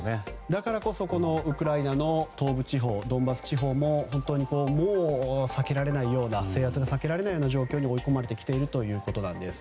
だからこそウクライナの東部地方ドンバス地方も、本当に制圧が避けられないような状況に追い込まれているようです。